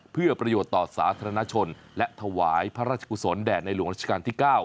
เพื่อประโยชน์ต่อสาธารณชนและถวายพระราชกุศลแด่ในหลวงราชการที่๙